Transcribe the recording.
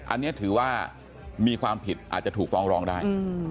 อันนี้ถือว่ามีความผิดอาจจะถูกฟ้องร้องได้